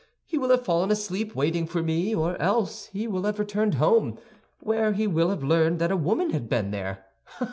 He will have fallen asleep waiting for me, or else he will have returned home, where he will have learned that a woman had been there.